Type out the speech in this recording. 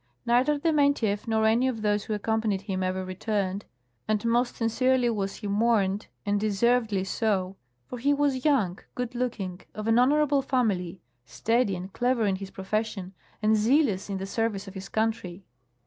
Neither Dementiew iior any of those who accompanied him ever returned ; and most sincerely was he mourned, and deservedly so, for he was young, good looking, of an honorable family, steady and clever in his profession, and zealous in the service of his country.